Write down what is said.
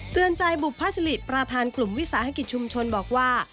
เตือนใจบุพศิริประธานกลุ่มวิสาหกิจชุมชนบอกว่า